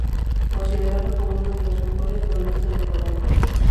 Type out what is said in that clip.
Considerado como uno de los mejores cronistas de Colombia.